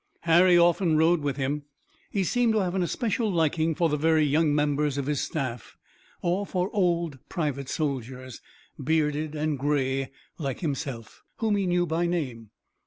Harry often rode with him. He seemed to have an especial liking for the very young members of his staff, or for old private soldiers, bearded and gray like himself, whom he knew by name.